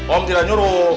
om tidak nyuruh